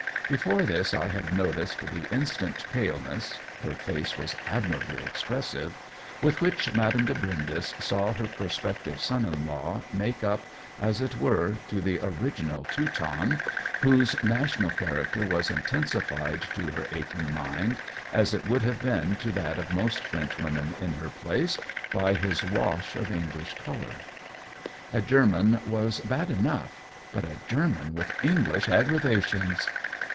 Before this I had noticed the in* stant paleness (her face was admirably expressive) with which Madame de Brindes saw her prospective son in law make up, as it were, to the original Teuton, whose 112 COLLABiDRATIOX national character was intensined to her aching mind, as it would hare been to that of most Frenchwomen in her place, by his wash of English color. A German was bad enough — but a German with English aggravations